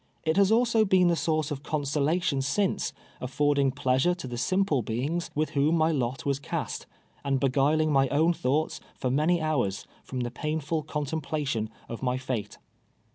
It has also been the source of consolation since, affordino: jileasure to the simple beings with whom my lot was cast, and beguiling my own thoughts, for many hours, from the painful contemplation of my fate.